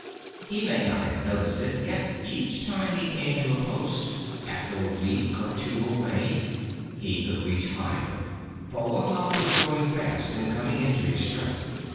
He may not have noticed it, yet each time he came to a post, after a week or two away, he could reach higher, for Wahb was growing fast and coming into his strength.